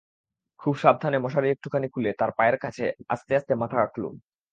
খুব সাবধানে মশারি একটুখানি খুলে তাঁর পায়ের কাছে আস্তে আস্তে মাথা রাখলুম।